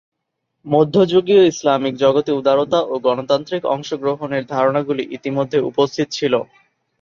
মধ্যযুগীয় ইসলামিক জগতে উদারতা ও গণতান্ত্রিক অংশগ্রহণের ধারণাগুলি ইতিমধ্যে উপস্থিত ছিল।